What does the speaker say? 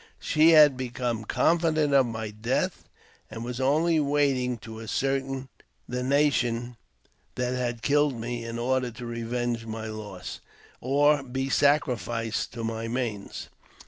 She had become confident of my death, and was only waiting to ascertain the nation that, had killed me in order to revenge my loss, or be sacrificed to my manes.